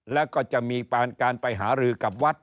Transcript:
แล้วก็จะมีการไปหารือกับวัด